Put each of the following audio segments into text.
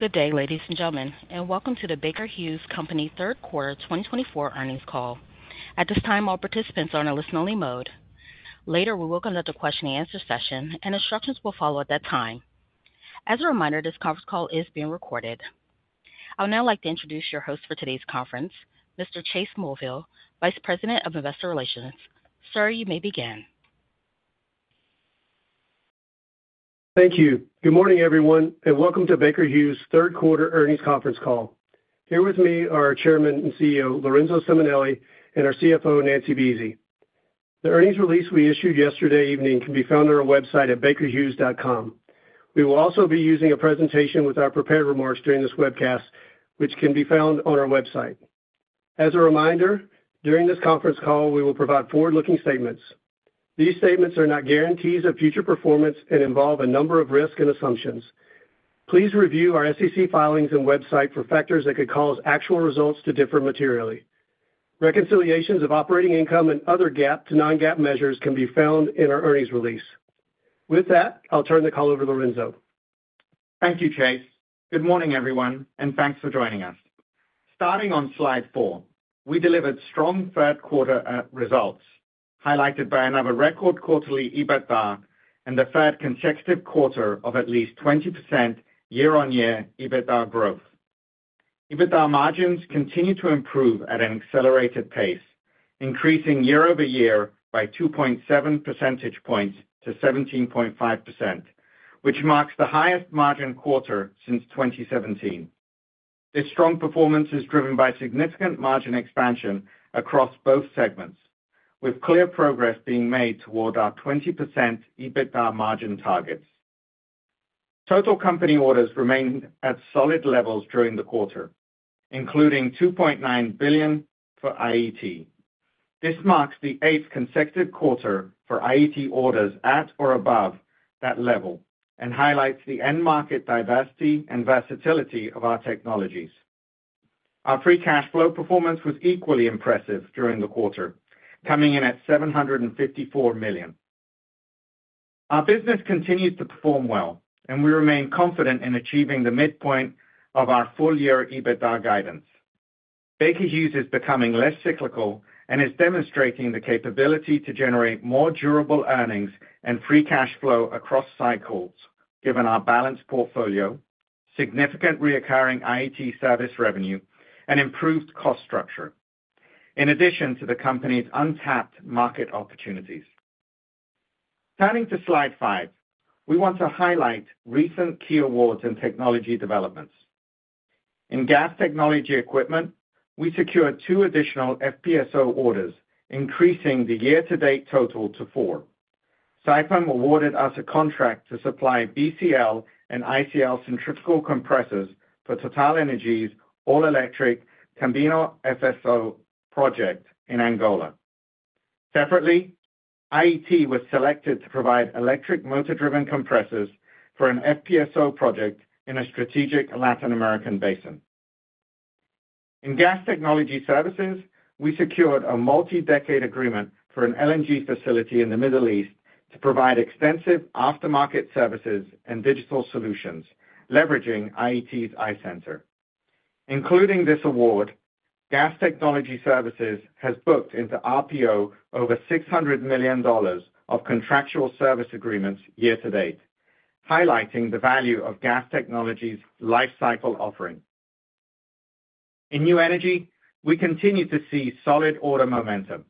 Good day, ladies and gentlemen, and welcome to the Baker Hughes Company third quarter 2024 earnings call. At this time, all participants are in a listen-only mode. Later, we will conduct a question-and-answer session, and instructions will follow at that time. As a reminder, this conference call is being recorded. I would now like to introduce your host for today's conference, Mr. Chase Mulvehill, Vice President of Investor Relations. Sir, you may begin. Thank you. Good morning, everyone, and welcome to Baker Hughes' third quarter earnings conference call. Here with me are our Chairman and CEO, Lorenzo Simonelli, and our CFO, Nancy Buese. The earnings release we issued yesterday evening can be found on our website at bakerhughes.com. We will also be using a presentation with our prepared remarks during this webcast, which can be found on our website. As a reminder, during this conference call, we will provide forward-looking statements. These statements are not guarantees of future performance and involve a number of risks and assumptions. Please review our SEC filings and website for factors that could cause actual results to differ materially. Reconciliations of operating income and other GAAP to non-GAAP measures can be found in our earnings release. With that, I'll turn the call over to Lorenzo. Thank you, Chase. Good morning, everyone, and thanks for joining us. Starting on slide four, we delivered strong third quarter results, highlighted by another record quarterly EBITDA and the third consecutive quarter of at least 20% year-on-year EBITDA growth. EBITDA margins continue to improve at an accelerated pace, increasing year-over-year by 2.7 percentage points to 17.5%, which marks the highest margin quarter since 2017. This strong performance is driven by significant margin expansion across both segments, with clear progress being made toward our 20% EBITDA margin targets. Total company orders remained at solid levels during the quarter, including $2.9 billion for IET. This marks the eighth consecutive quarter for IET orders at or above that level and highlights the end-market diversity and versatility of our technologies. Our free cash flow performance was equally impressive during the quarter, coming in at $754 million. Our business continues to perform well, and we remain confident in achieving the midpoint of our full-year EBITDA guidance. Baker Hughes is becoming less cyclical and is demonstrating the capability to generate more durable earnings and free cash flow across cycles, given our balanced portfolio, significant recurring IET service revenue, and improved cost structure, in addition to the company's untapped market opportunities. Turning to slide five, we want to highlight recent key awards and technology developments. In gas technology equipment, we secured two additional FPSO orders, increasing the year-to-date total to four. Saipem awarded us a contract to supply BCL and ICL centrifugal compressors for TotalEnergies' all-electric Kaminho FPSO project in Angola. Separately, IET was selected to provide electric motor-driven compressors for an FPSO project in a strategic Latin American basin. In gas technology services, we secured a multi-decade agreement for an LNG facility in the Middle East to provide extensive aftermarket services and digital solutions, leveraging IET's iCenter. Including this award, gas technology services has booked into RPO over $600 million of contractual service agreements year-to-date, highlighting the value of gas technology's life cycle offering. In new energy, we continue to see solid order momentum.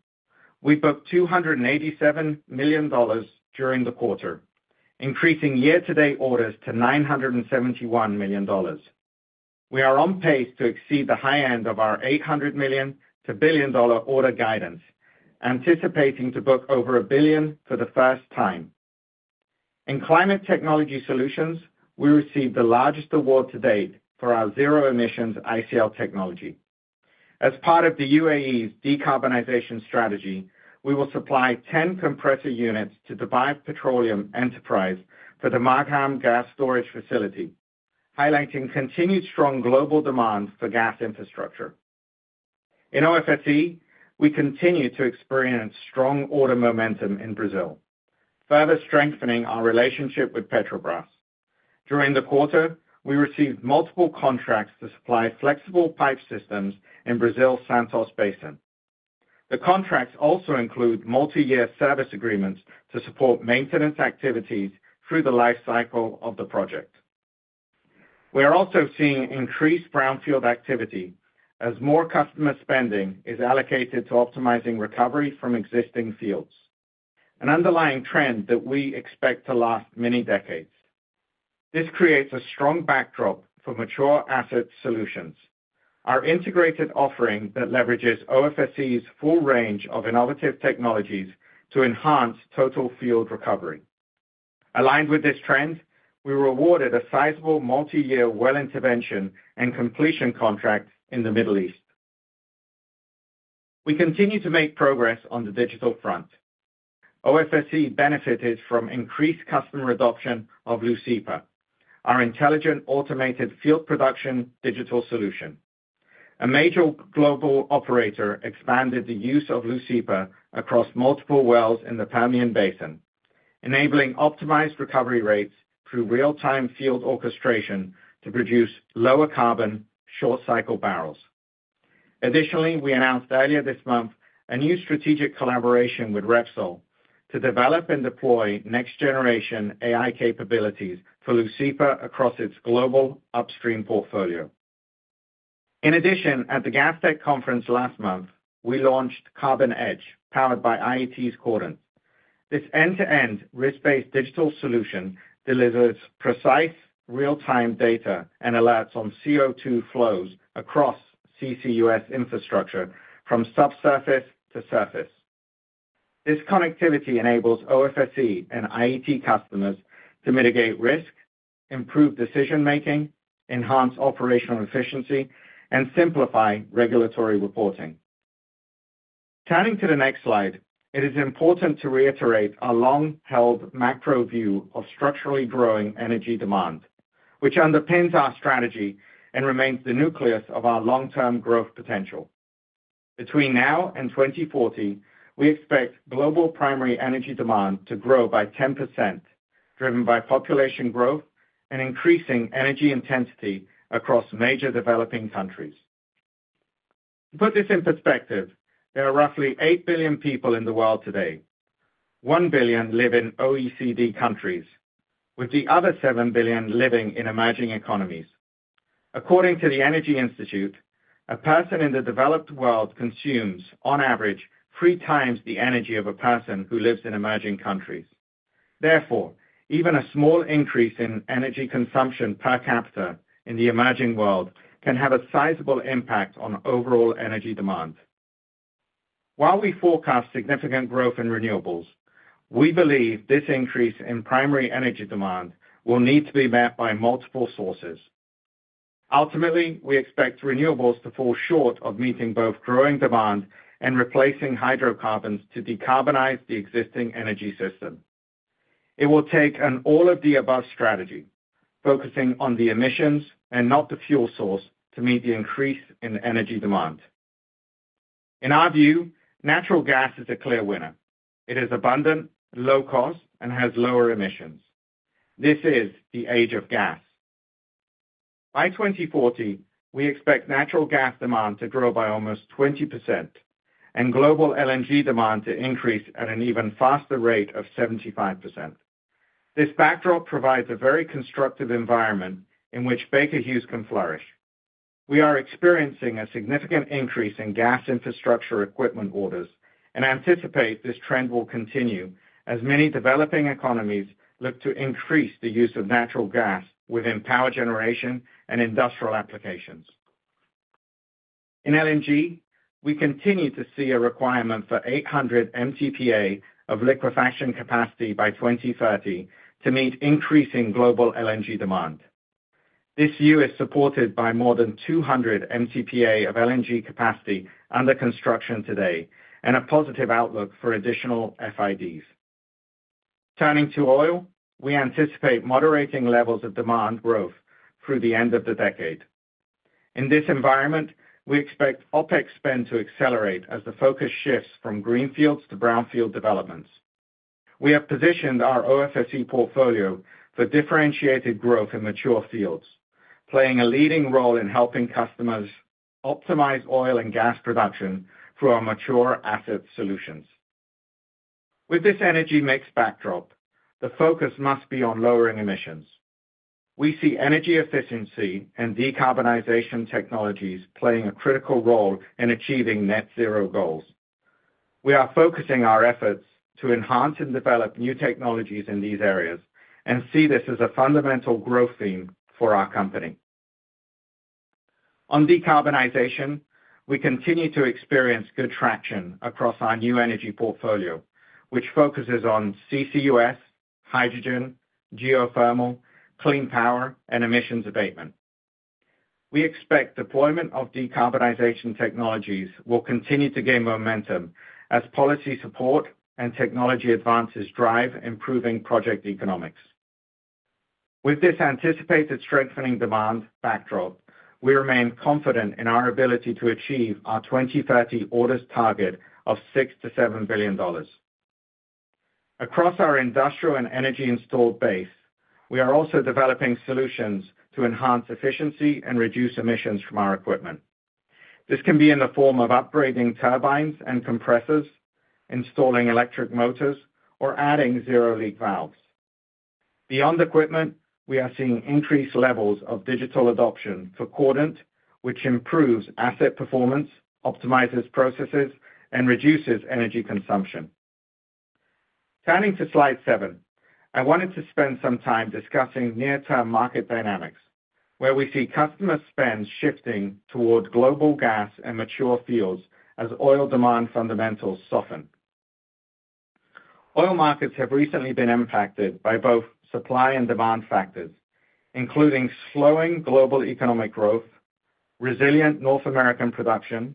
We booked $287 million during the quarter, increasing year-to-date orders to $971 million. We are on pace to exceed the high end of our $800 million to $1 billion order guidance, anticipating to book over $1 billion for the first time. In climate technology solutions, we received the largest award to date for our zero-emissions ICL technology. As part of the UAE's decarbonization strategy, we will supply 10 compressor units to Dubai Petroleum for the Margham gas storage facility, highlighting continued strong global demand for gas infrastructure. In OFSE, we continue to experience strong order momentum in Brazil, further strengthening our relationship with Petrobras. During the quarter, we received multiple contracts to supply flexible pipe systems in Brazil's Santos Basin. The contracts also include multiyear service agreements to support maintenance activities through the life cycle of the project. We are also seeing increased brownfield activity as more customer spending is allocated to optimizing recovery from existing fields, an underlying trend that we expect to last many decades. This creates a strong backdrop for mature asset solutions, our integrated offering that leverages OFSE's full range of innovative technologies to enhance total field recovery. Aligned with this trend, we were awarded a sizable multiyear well intervention and completion contract in the Middle East. We continue to make progress on the digital front. OFSE benefited from increased customer adoption of Leucipa, our intelligent automated field production digital solution.... A major global operator expanded the use of Leucipa across multiple wells in the Permian Basin, enabling optimized recovery rates through real-time field orchestration to produce lower carbon, short cycle barrels. Additionally, we announced earlier this month a new strategic collaboration with Repsol to develop and deploy next generation AI capabilities for Leucipa across its global upstream portfolio. In addition, at the Gastech Conference last month, we launched CarbonEdge, powered by IET's Cordant. This end-to-end risk-based digital solution delivers precise real-time data and alerts on CO2 flows across CCUS infrastructure from subsurface to surface. This connectivity enables OFSE and IET customers to mitigate risk, improve decision-making, enhance operational efficiency, and simplify regulatory reporting. Turning to the next slide, it is important to reiterate our long-held macro view of structurally growing energy demand, which underpins our strategy and remains the nucleus of our long-term growth potential. Between now and 2040, we expect global primary energy demand to grow by 10%, driven by population growth and increasing energy intensity across major developing countries. To put this in perspective, there are roughly eight billion people in the world today. One billion live in OECD countries, with the other seven billion living in emerging economies. According to the Energy Institute, a person in the developed world consumes, on average, three times the energy of a person who lives in emerging countries. Therefore, even a small increase in energy consumption per capita in the emerging world can have a sizable impact on overall energy demand. While we forecast significant growth in renewables, we believe this increase in primary energy demand will need to be met by multiple sources. Ultimately, we expect renewables to fall short of meeting both growing demand and replacing hydrocarbons to decarbonize the existing energy system. It will take an all-of-the-above strategy, focusing on the emissions and not the fuel source, to meet the increase in energy demand. In our view, natural gas is a clear winner. It is abundant, low cost, and has lower emissions. This is the age of gas. By 2040, we expect natural gas demand to grow by almost 20%, and global LNG demand to increase at an even faster rate of 75%. This backdrop provides a very constructive environment in which Baker Hughes can flourish. We are experiencing a significant increase in gas infrastructure equipment orders and anticipate this trend will continue as many developing economies look to increase the use of natural gas within power generation and industrial applications. In LNG, we continue to see a requirement for 800 MTPA of liquefaction capacity by 2030 to meet increasing global LNG demand. This view is supported by more than 200 MTPA of LNG capacity under construction today, and a positive outlook for additional FIDs. Turning to oil, we anticipate moderating levels of demand growth through the end of the decade. In this environment, we expect OpEx spend to accelerate as the focus shifts from greenfields to brownfield developments. We have positioned our OFSE portfolio for differentiated growth in mature fields, playing a leading role in helping customers optimize oil and gas production through our mature asset solutions. With this energy mix backdrop, the focus must be on lowering emissions. We see energy efficiency and decarbonization technologies playing a critical role in achieving net zero goals. We are focusing our efforts to enhance and develop new technologies in these areas and see this as a fundamental growth theme for our company. On decarbonization, we continue to experience good traction across our new energy portfolio, which focuses on CCUS, hydrogen, geothermal, clean power, and emissions abatement. We expect deployment of decarbonization technologies will continue to gain momentum as policy support and technology advances drive improving project economics. With this anticipated strengthening demand backdrop, we remain confident in our ability to achieve our 2030 orders target of $6-$7 billion. Across our industrial and energy installed base, we are also developing solutions to enhance efficiency and reduce emissions from our equipment. This can be in the form of upgrading turbines and compressors, installing electric motors, or adding zero-leak valves. Beyond equipment, we are seeing increased levels of digital adoption for Cordant, which improves asset performance, optimizes processes, and reduces energy consumption. Turning to slide seven, I wanted to spend some time discussing near-term market dynamics, where we see customer spend shifting towards global gas and mature fields as oil demand fundamentals soften. Oil markets have recently been impacted by both supply and demand factors, including slowing global economic growth, resilient North American production,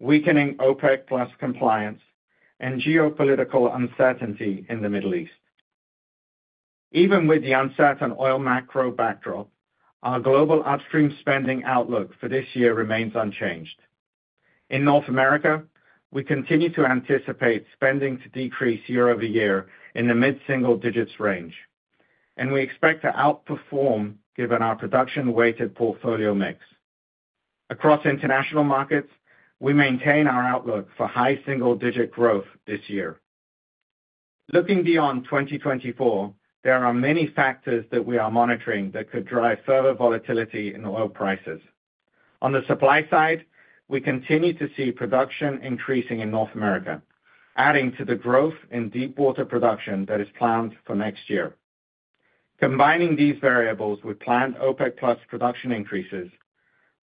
weakening OPEC+ compliance, and geopolitical uncertainty in the Middle East. Even with the uncertain oil macro backdrop, our global upstream spending outlook for this year remains unchanged. In North America, we continue to anticipate spending to decrease year-over-year in the mid-single digits range, and we expect to outperform given our production-weighted portfolio mix. Across international markets, we maintain our outlook for high single-digit growth this year. Looking beyond 2024, there are many factors that we are monitoring that could drive further volatility in oil prices. On the supply side, we continue to see production increasing in North America, adding to the growth in deepwater production that is planned for next year. Combining these variables with planned OPEC+ production increases,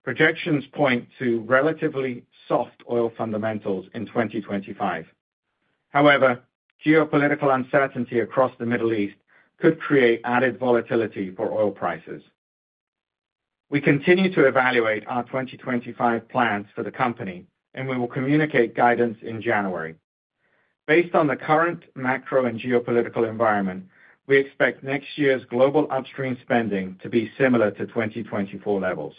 projections point to relatively soft oil fundamentals in 2025. However, geopolitical uncertainty across the Middle East could create added volatility for oil prices. We continue to evaluate our 2025 plans for the company, and we will communicate guidance in January. Based on the current macro and geopolitical environment, we expect next year's global upstream spending to be similar to 2024 levels.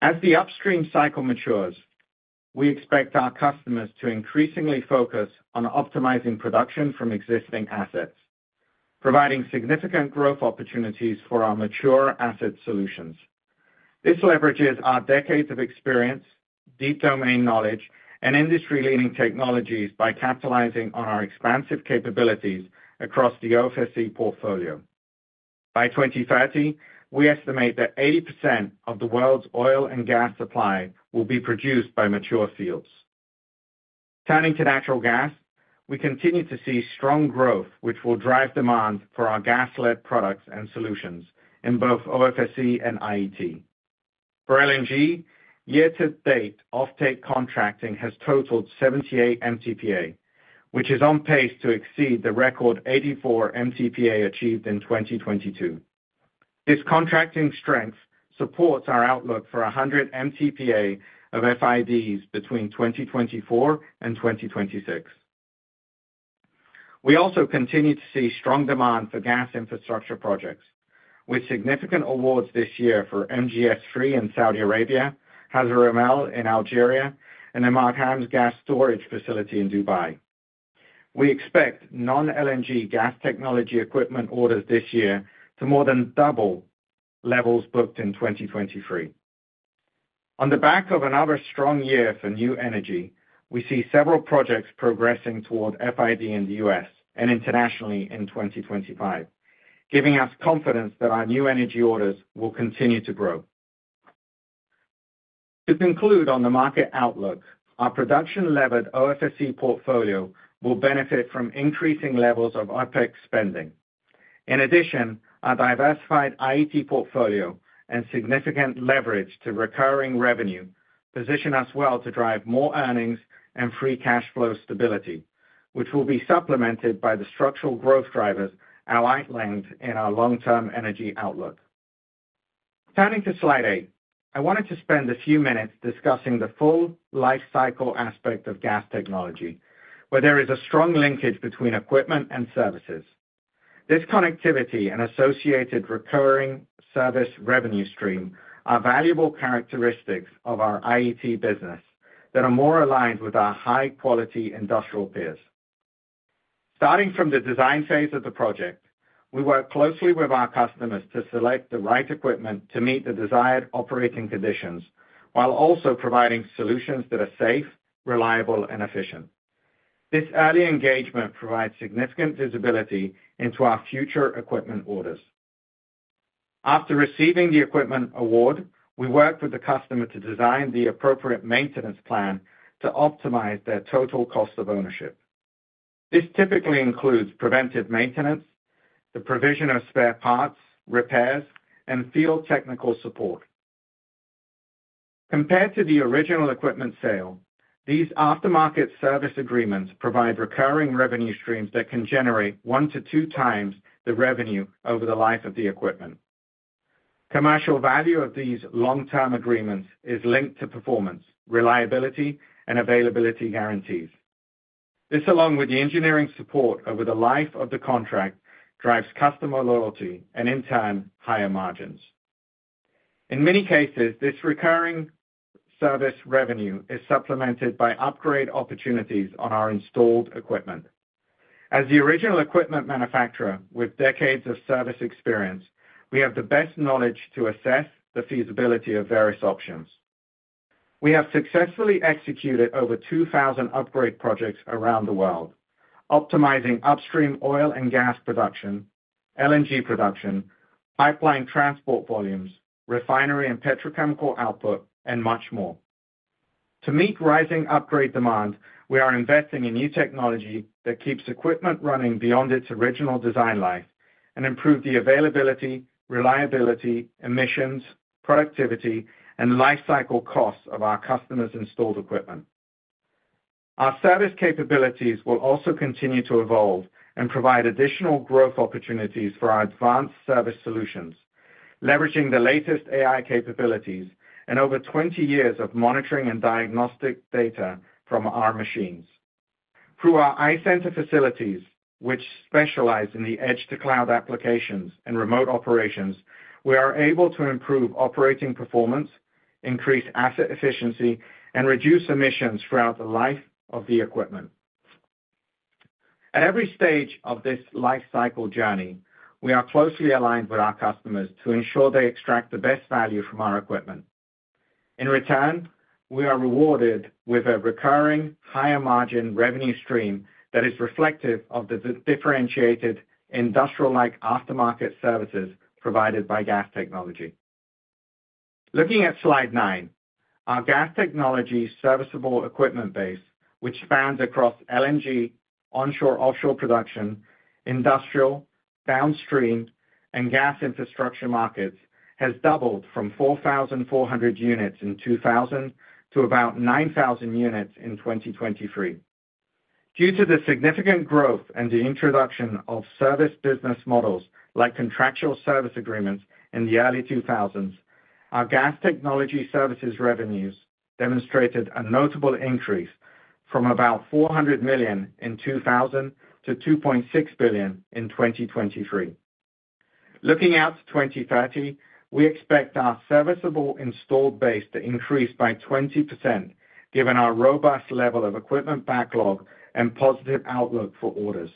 As the upstream cycle matures, we expect our customers to increasingly focus on optimizing production from existing assets, providing significant growth opportunities for our mature asset solutions. This leverages our decades of experience, deep domain knowledge, and industry-leading technologies by capitalizing on our expansive capabilities across the OFSE portfolio. By 2030, we estimate that 80% of the world's oil and gas supply will be produced by mature fields. Turning to natural gas, we continue to see strong growth, which will drive demand for our gas-led products and solutions in both OFSE and IET. For LNG, year-to-date, offtake contracting has totaled 78 MTPA, which is on pace to exceed the record 84 MTPA achieved in 2022. This contracting strength supports our outlook for 100 MTPA of FIDs between 2024 and 2026. We also continue to see strong demand for gas infrastructure projects, with significant awards this year for MGS3 in Saudi Arabia, Hassi R'Mel in Algeria, and the Margham gas storage facility in Dubai. We expect non-LNG gas technology equipment orders this year to more than double levels booked in 2023. On the back of another strong year for new energy, we see several projects progressing toward FID in the U.S. and internationally in 2025, giving us confidence that our new energy orders will continue to grow. To conclude on the market outlook, our production-levered OFSE portfolio will benefit from increasing levels of OPEX spending. In addition, our diversified IET portfolio and significant leverage to recurring revenue position us well to drive more earnings and free cash flow stability, which will be supplemented by the structural growth drivers outlined in our long-term energy outlook. Turning to Slide eight, I wanted to spend a few minutes discussing the full lifecycle aspect of gas technology, where there is a strong linkage between equipment and services. This connectivity and associated recurring service revenue stream are valuable characteristics of our IET business that are more aligned with our high-quality industrial peers. Starting from the design phase of the project, we work closely with our customers to select the right equipment to meet the desired operating conditions, while also providing solutions that are safe, reliable, and efficient. This early engagement provides significant visibility into our future equipment orders. After receiving the equipment award, we work with the customer to design the appropriate maintenance plan to optimize their total cost of ownership. This typically includes preventive maintenance, the provision of spare parts, repairs, and field technical support. Compared to the original equipment sale, these aftermarket service agreements provide recurring revenue streams that can generate one to two times the revenue over the life of the equipment. Commercial value of these long-term agreements is linked to performance, reliability, and availability guarantees. This, along with the engineering support over the life of the contract, drives customer loyalty and, in turn, higher margins. In many cases, this recurring service revenue is supplemented by upgrade opportunities on our installed equipment. As the original equipment manufacturer with decades of service experience, we have the best knowledge to assess the feasibility of various options. We have successfully executed over two thousand upgrade projects around the world, optimizing upstream oil and gas production, LNG production, pipeline transport volumes, refinery and petrochemical output, and much more. To meet rising upgrade demand, we are investing in new technology that keeps equipment running beyond its original design life and improve the availability, reliability, emissions, productivity, and lifecycle costs of our customers' installed equipment. Our service capabilities will also continue to evolve and provide additional growth opportunities for our advanced service solutions, leveraging the latest AI capabilities and over 20 years of monitoring and diagnostic data from our machines. Through our iCenter facilities, which specialize in the edge-to-cloud applications and remote operations, we are able to improve operating performance, increase asset efficiency, and reduce emissions throughout the life of the equipment. At every stage of this lifecycle journey, we are closely aligned with our customers to ensure they extract the best value from our equipment. In return, we are rewarded with a recurring higher margin revenue stream that is reflective of the differentiated industrial-like aftermarket services provided by Gas Technology. Looking at slide nine, our Gas Technology serviceable equipment base, which spans across LNG, onshore, offshore production, industrial, downstream, and gas infrastructure markets, has doubled from 4,400 units in 2000 to about 9,000 units in 2023. Due to the significant growth and the introduction of service business models, like contractual service agreements in the early 2000s, our Gas Technology services revenues demonstrated a notable increase from about $400 million in 2000 to $2.6 billion in 2023. Looking out to 2030, we expect our serviceable installed base to increase by 20%, given our robust level of equipment backlog and positive outlook for orders.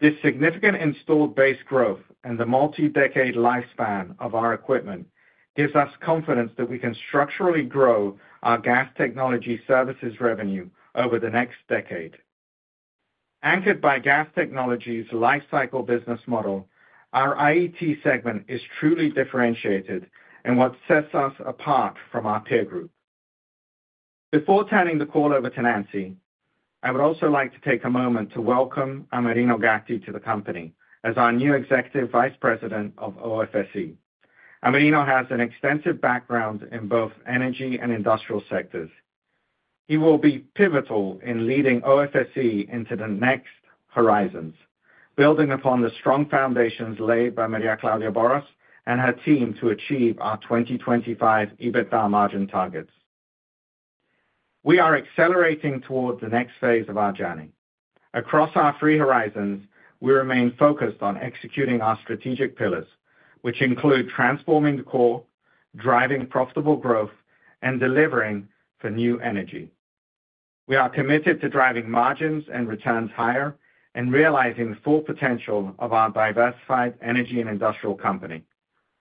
This significant installed base growth and the multi-decade lifespan of our equipment gives us confidence that we can structurally grow our Gas Technology services revenue over the next decade. Anchored by Gas Technology's lifecycle business model, our IET segment is truly differentiated and what sets us apart from our peer group. Before turning the call over to Nancy, I would also like to take a moment to welcome Amerino Gatti to the company as our new Executive Vice President of OFSE. Amerino has an extensive background in both energy and industrial sectors. He will be pivotal in leading OFSE into the next horizons, building upon the strong foundations laid by Maria Claudia Borras and her team to achieve our 2025 EBITDA margin targets. We are accelerating towards the next phase of our journey. Across our three horizons, we remain focused on executing our strategic pillars, which include transforming the core, driving profitable growth, and delivering for new energy. We are committed to driving margins and returns higher and realizing the full potential of our diversified energy and industrial company.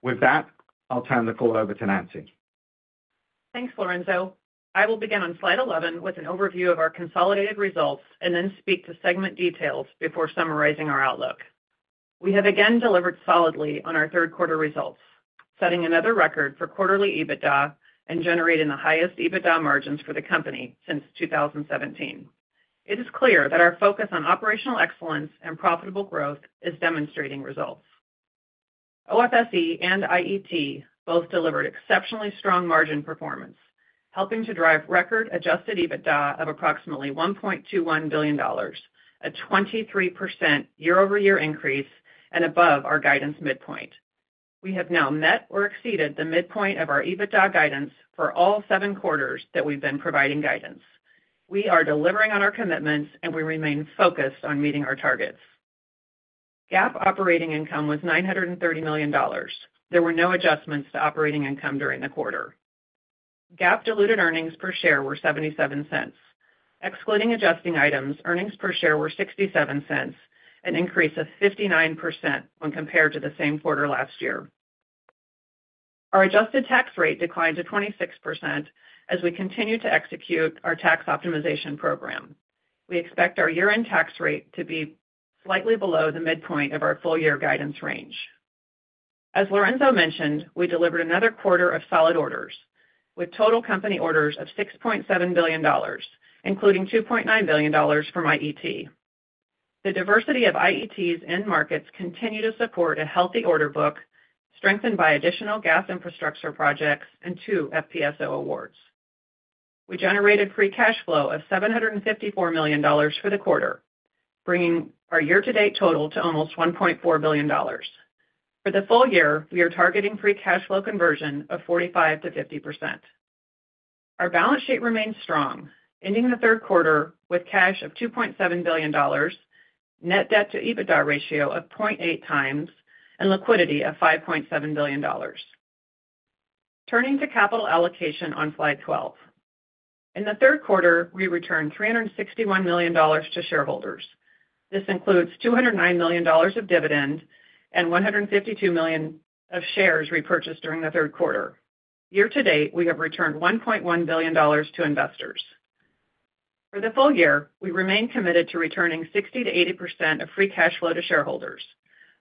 With that, I'll turn the call over to Nancy. Thanks, Lorenzo. I will begin on slide 11 with an overview of our consolidated results, and then speak to segment details before summarizing our outlook. We have again delivered solidly on our third quarter results, setting another record for quarterly EBITDA and generating the highest EBITDA margins for the company since 2017. It is clear that our focus on operational excellence and profitable growth is demonstrating results. OFSE and IET both delivered exceptionally strong margin performance, helping to drive record adjusted EBITDA of approximately $1.21 billion, a 23% year-over-year increase and above our guidance midpoint. We have now met or exceeded the midpoint of our EBITDA guidance for all seven quarters that we've been providing guidance. We are delivering on our commitments, and we remain focused on meeting our targets. GAAP operating income was $930 million. There were no adjustments to operating income during the quarter. GAAP diluted earnings per share were $0.77. Excluding adjusting items, earnings per share were $0.67, an increase of 59% when compared to the same quarter last year. Our adjusted tax rate declined to 26% as we continue to execute our tax optimization program. We expect our year-end tax rate to be slightly below the midpoint of our full year guidance range. As Lorenzo mentioned, we delivered another quarter of solid orders, with total company orders of $6.7 billion, including $2.9 billion from IET. The diversity of IET's end markets continue to support a healthy order book, strengthened by additional gas infrastructure projects and two FPSO awards. We generated free cash flow of $754 million for the quarter, bringing our year-to-date total to almost $1.4 billion. For the full year, we are targeting free cash flow conversion of 45%-50%. Our balance sheet remains strong, ending the third quarter with cash of $2.7 billion, net debt to EBITDA ratio of 0.8 times, and liquidity of $5.7 billion. Turning to capital allocation on slide 12. In the third quarter, we returned $361 million to shareholders. This includes $209 million of dividend and $152 million of shares repurchased during the third quarter. Year-to-date, we have returned $1.1 billion to investors. For the full year, we remain committed to returning 60%-80% of free cash flow to shareholders.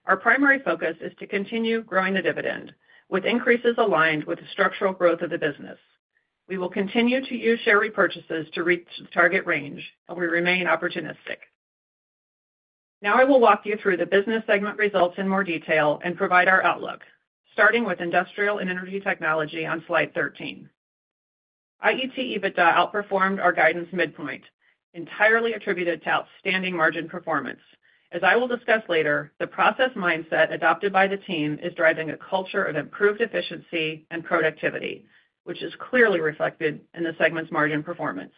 Our primary focus is to continue growing the dividend, with increases aligned with the structural growth of the business. We will continue to use share repurchases to reach the target range, and we remain opportunistic. Now I will walk you through the business segment results in more detail and provide our outlook, starting with Industrial and Energy Technology on slide 13. IET EBITDA outperformed our guidance midpoint, entirely attributed to outstanding margin performance. As I will discuss later, the process mindset adopted by the team is driving a culture of improved efficiency and productivity, which is clearly reflected in the segment's margin performance.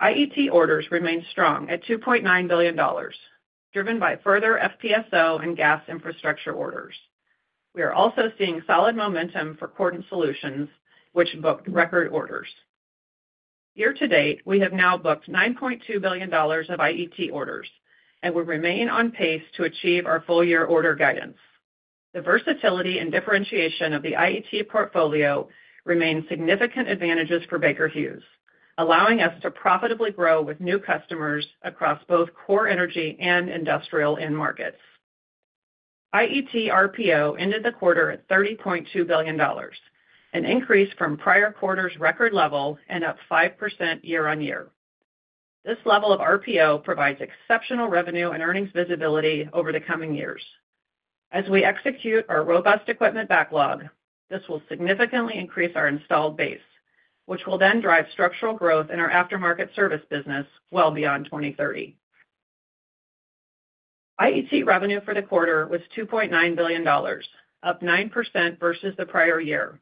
IET orders remained strong at $2.9 billion, driven by further FPSO and gas infrastructure orders. We are also seeing solid momentum for Cordant solution, which booked record orders. Year to date, we have now booked $9.2 billion of IET orders, and we remain on pace to achieve our full year order guidance. The versatility and differentiation of the IET portfolio remain significant advantages for Baker Hughes, allowing us to profitably grow with new customers across both core energy and industrial end markets. IET RPO ended the quarter at $30.2 billion, an increase from prior quarter's record level and up 5% year-on-year. This level of RPO provides exceptional revenue and earnings visibility over the coming years. As we execute our robust equipment backlog, this will significantly increase our installed base, which will then drive structural growth in our aftermarket service business well beyond 2030. IET revenue for the quarter was $2.9 billion, up 9% versus the prior year,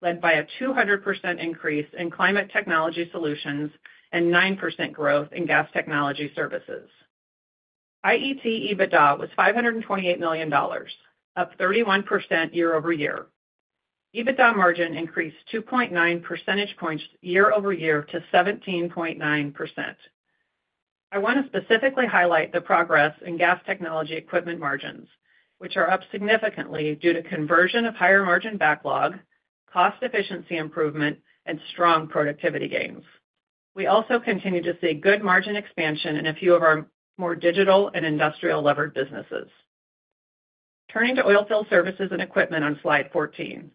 led by a 200% increase in climate technology solutions and 9% growth in Gas Technology services. IET EBITDA was $528 million, up 31% year-over-year. EBITDA margin increased 2.9 percentage points year-over-year to 17.9%. I want to specifically highlight the progress in Gas Technology Equipment margins, which are up significantly due to conversion of higher margin backlog, cost efficiency improvement, and strong productivity gains. We also continue to see good margin expansion in a few of our more digital and industrial-levered businesses. Turning to oilfield services and equipment on slide 14.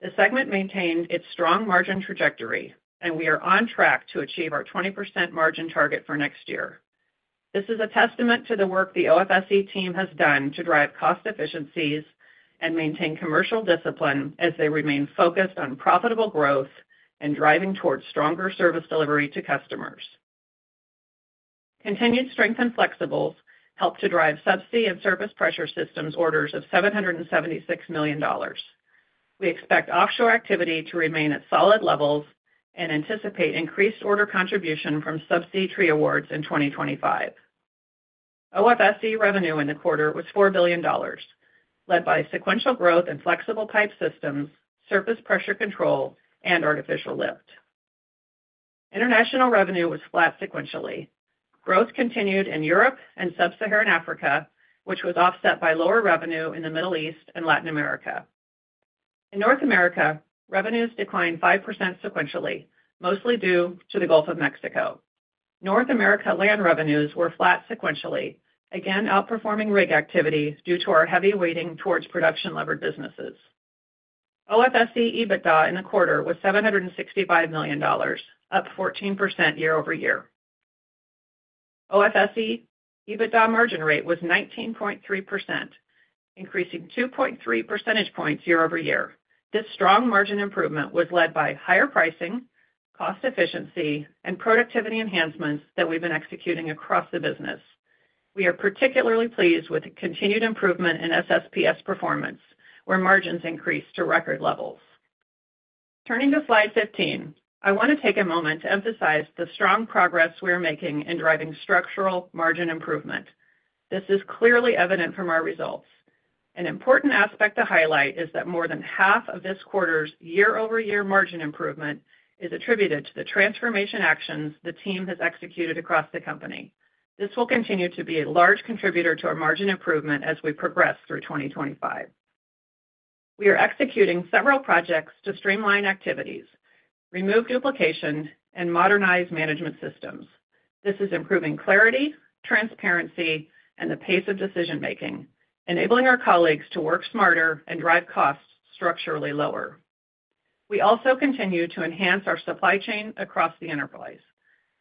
The segment maintained its strong margin trajectory, and we are on track to achieve our 20% margin target for next year. This is a testament to the work the OFSE team has done to drive cost efficiencies and maintain commercial discipline as they remain focused on profitable growth and driving towards stronger service delivery to customers. Continued strength and flexibles helped to drive subsea and surface pressure systems orders of $776 million. We expect offshore activity to remain at solid levels and anticipate increased order contribution from subsea tree awards in 2025. OFSE revenue in the quarter was $4 billion, led by sequential growth in flexible pipe systems, surface pressure control, and artificial lift. International revenue was flat sequentially. Growth continued in Europe and Sub-Saharan Africa, which was offset by lower revenue in the Middle East and Latin America. In North America, revenues declined 5% sequentially, mostly due to the Gulf of Mexico. North America land revenues were flat sequentially, again, outperforming rig activity due to our heavy weighting towards production-levered businesses. OFSE EBITDA in the quarter was $765 million, up 14% year-over-year. OFSE EBITDA margin rate was 19.3%, increasing 2.3 percentage points year-over-year. This strong margin improvement was led by higher pricing, cost efficiency, and productivity enhancements that we've been executing across the business. We are particularly pleased with the continued improvement in SSPS performance, where margins increased to record levels. Turning to slide 15, I want to take a moment to emphasize the strong progress we are making in driving structural margin improvement. This is clearly evident from our results. An important aspect to highlight is that more than half of this quarter's year-over-year margin improvement is attributed to the transformation actions the team has executed across the company. This will continue to be a large contributor to our margin improvement as we progress through 2025. We are executing several projects to streamline activities, remove duplication, and modernize management systems. This is improving clarity, transparency, and the pace of decision-making, enabling our colleagues to work smarter and drive costs structurally lower. We also continue to enhance our supply chain across the enterprise.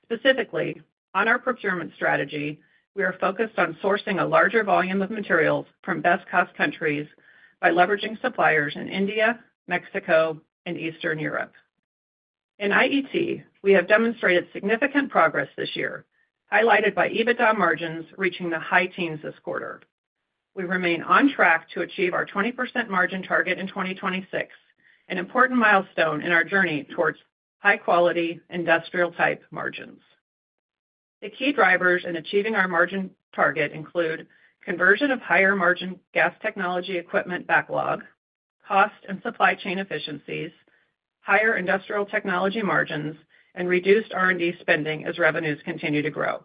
Specifically, on our procurement strategy, we are focused on sourcing a larger volume of materials from best-cost countries by leveraging suppliers in India, Mexico, and Eastern Europe. In IET, we have demonstrated significant progress this year, highlighted by EBITDA margins reaching the high teens this quarter. We remain on track to achieve our 20% margin target in 2026, an important milestone in our journey towards high-quality, industrial-type margins. The key drivers in achieving our margin target include conversion of higher-margin Gas Technology Equipment backlog, cost and supply chain efficiencies, higher industrial technology margins, and reduced R&D spending as revenues continue to grow.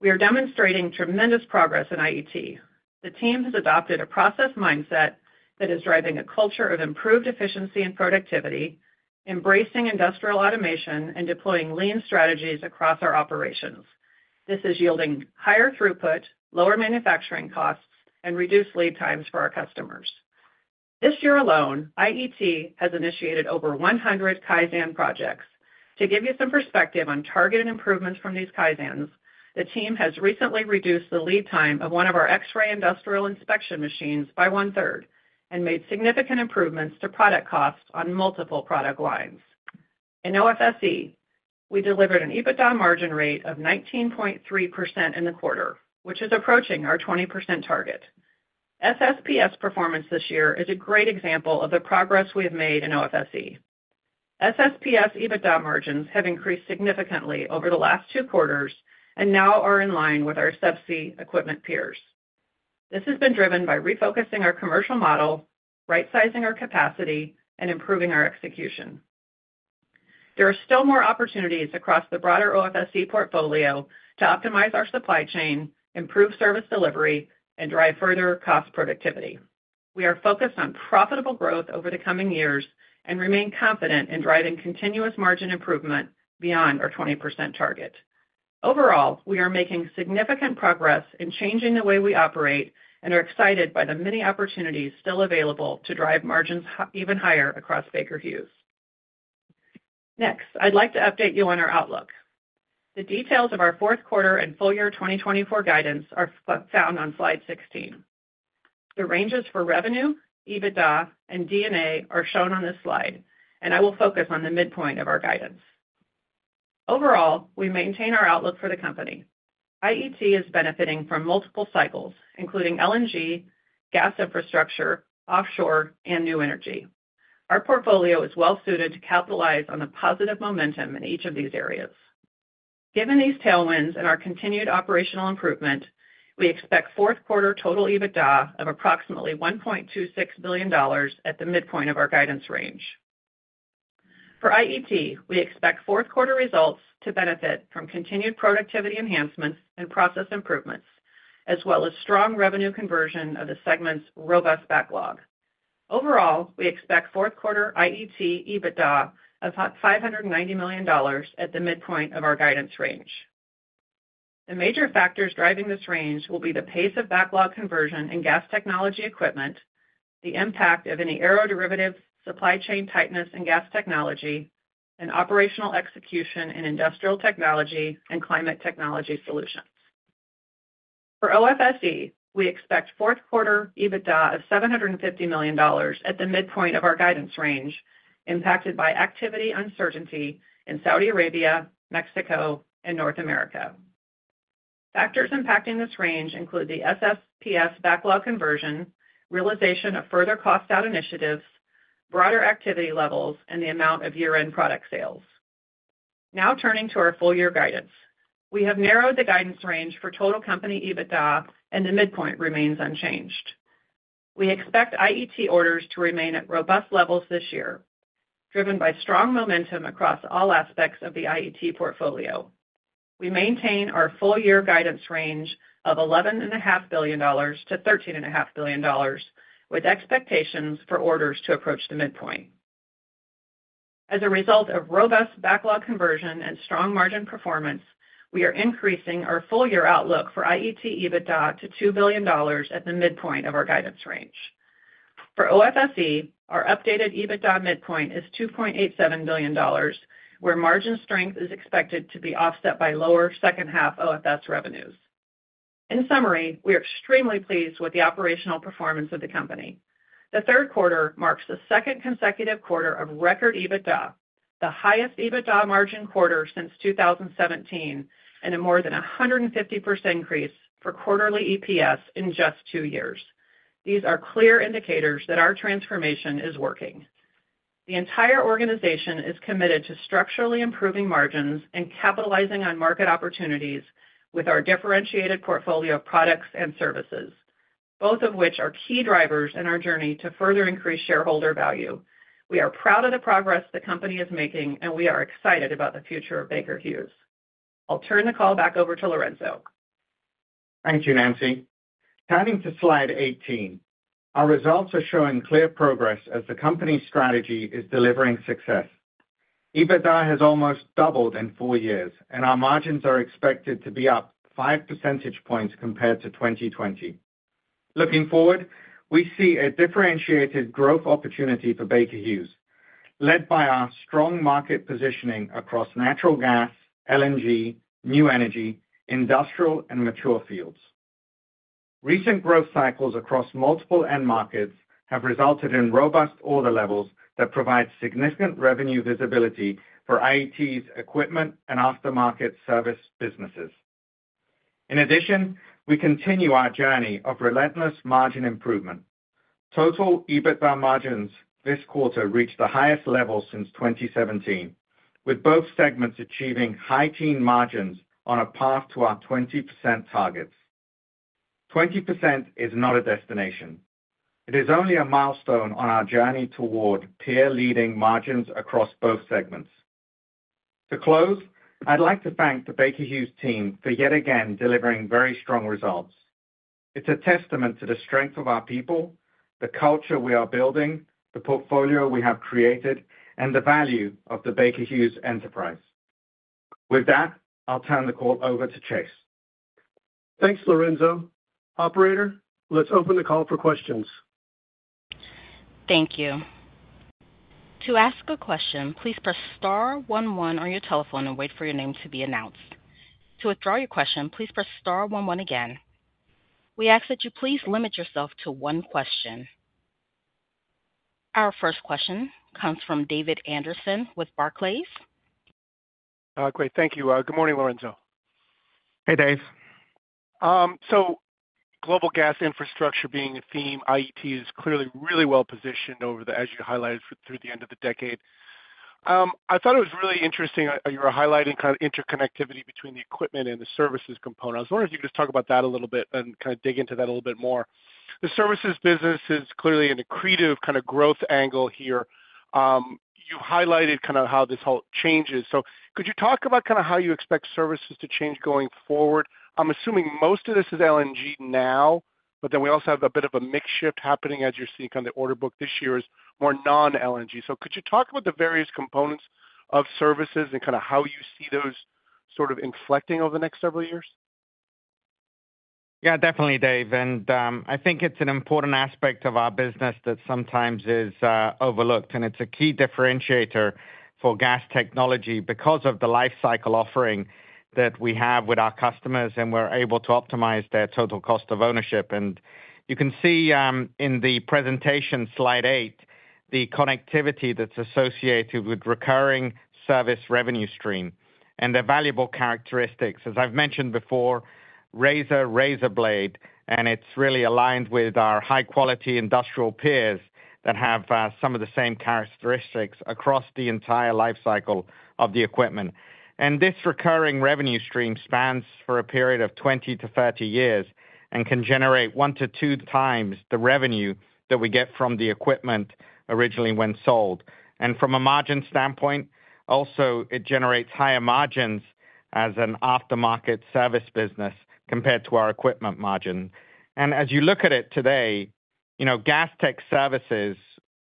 We are demonstrating tremendous progress in IET. The team has adopted a process mindset that is driving a culture of improved efficiency and productivity, embracing industrial automation, and deploying lean strategies across our operations. This is yielding higher throughput, lower manufacturing costs, and reduced lead times for our customers. This year alone, IET has initiated over 100 Kaizen projects. To give you some perspective on targeted improvements from these Kaizens, the team has recently reduced the lead time of one of our X-ray industrial inspection machines by one-third and made significant improvements to product costs on multiple product lines. In OFSE, we delivered an EBITDA margin rate of 19.3% in the quarter, which is approaching our 20% target. SSPS performance this year is a great example of the progress we have made in OFSE. SSPS EBITDA margins have increased significantly over the last two quarters and now are in line with our Subsea equipment peers. This has been driven by refocusing our commercial model, right-sizing our capacity, and improving our execution. There are still more opportunities across the broader OFSE portfolio to optimize our supply chain, improve service delivery, and drive further cost productivity. We are focused on profitable growth over the coming years and remain confident in driving continuous margin improvement beyond our 20% target. Overall, we are making significant progress in changing the way we operate and are excited by the many opportunities still available to drive margins even higher across Baker Hughes. Next, I'd like to update you on our outlook. The details of our fourth quarter and full year 2024 guidance are found on slide 16. The ranges for revenue, EBITDA, and D&A are shown on this slide, and I will focus on the midpoint of our guidance. Overall, we maintain our outlook for the company. IET is benefiting from multiple cycles, including LNG, gas infrastructure, offshore, and new energy. Our portfolio is well suited to capitalize on the positive momentum in each of these areas. Given these tailwinds and our continued operational improvement, we expect fourth quarter total EBITDA of approximately $1.26 billion at the midpoint of our guidance range. For IET, we expect fourth quarter results to benefit from continued productivity enhancements and process improvements, as well as strong revenue conversion of the segment's robust backlog. Overall, we expect fourth quarter IET EBITDA of $590 million at the midpoint of our guidance range. The major factors driving this range will be the pace of backlog conversion and Gas Technology Equipment, the impact of any aeroderivative supply chain tightness and gas technology, and operational execution in industrial technology and climate technology solutions. For OFSE, we expect fourth quarter EBITDA of $750 million at the midpoint of our guidance range, impacted by activity uncertainty in Saudi Arabia, Mexico, and North America. Factors impacting this range include the SSPS backlog conversion, realization of further cost out initiatives, broader activity levels, and the amount of year-end product sales. Now, turning to our full year guidance. We have narrowed the guidance range for total company EBITDA, and the midpoint remains unchanged. We expect IET orders to remain at robust levels this year, driven by strong momentum across all aspects of the IET portfolio. We maintain our full year guidance range of $11.5-13.5 billion, with expectations for orders to approach the midpoint. As a result of robust backlog conversion and strong margin performance, we are increasing our full year outlook for IET EBITDA to $2 billion at the midpoint of our guidance range. For OFSE, our updated EBITDA midpoint is $2.87 billion, where margin strength is expected to be offset by lower second half OFS revenues. In summary, we are extremely pleased with the operational performance of the company. The third quarter marks the second consecutive quarter of record EBITDA, the highest EBITDA margin quarter since 2017, and a more than 150% increase for quarterly EPS in just two years. These are clear indicators that our transformation is working. The entire organization is committed to structurally improving margins and capitalizing on market opportunities with our differentiated portfolio of products and services, both of which are key drivers in our journey to further increase shareholder value. We are proud of the progress the company is making, and we are excited about the future of Baker Hughes. I'll turn the call back over to Lorenzo. Thank you, Nancy. Turning to slide 18. Our results are showing clear progress as the company's strategy is delivering success. EBITDA has almost doubled in four years, and our margins are expected to be up five percentage points compared to 2020. Looking forward, we see a differentiated growth opportunity for Baker Hughes, led by our strong market positioning across natural gas, LNG, new energy, industrial, and mature fields. Recent growth cycles across multiple end markets have resulted in robust order levels that provide significant revenue visibility for IET's equipment and aftermarket service businesses. In addition, we continue our journey of relentless margin improvement. Total EBITDA margins this quarter reached the highest level since 2017, with both segments achieving high teen margins on a path to our 20% targets. 20% is not a destination. It is only a milestone on our journey toward peer-leading margins across both segments. To close, I'd like to thank the Baker Hughes team for yet again delivering very strong results. It's a testament to the strength of our people, the culture we are building, the portfolio we have created, and the value of the Baker Hughes enterprise. With that, I'll turn the call over to Chase. Thanks, Lorenzo. Operator, let's open the call for questions. .hank you. To ask a question, please press star one one on your telephone and wait for your name to be announced. To withdraw your question, please press star one one again. We ask that you please limit yourself to one question. Our first question comes from David Anderson with Barclays. Great, thank you. Good morning, Lorenzo. Hey, Dave. So global gas infrastructure being a theme, IET is clearly really well positioned over the, as you highlighted, through the end of the decade. I thought it was really interesting, you were highlighting kind of interconnectivity between the equipment and the services component. I was wondering if you could just talk about that a little bit and kind of dig into that a little bit more. The services business is clearly an accretive kind of growth angle here. You highlighted kind of how this all changes. So could you talk about kind of how you expect services to change going forward? I'm assuming most of this is LNG now, but then we also have a bit of a mix shift happening as you're seeing kind of the order book this year is more non-LNG. Could you talk about the various components of services and kind of how you see those sort of inflecting over the next several years? Yeah, definitely, Dave, and I think it's an important aspect of our business that sometimes is overlooked, and it's a key differentiator for gas technology because of the life cycle offering that we have with our customers, and we're able to optimize their total cost of ownership. And you can see in the presentation, slide eight, the connectivity that's associated with recurring service revenue stream and the valuable characteristics. As I've mentioned before, razor, razor blade, and it's really aligned with our high-quality industrial peers that have some of the same characteristics across the entire life cycle of the equipment. And this recurring revenue stream spans for a period of 20-30 years and can generate one to two times the revenue that we get from the equipment originally when sold. From a margin standpoint, also, it generates higher margins as an aftermarket service business compared to our equipment margin. As you look at it today, you know, Gas Tech Services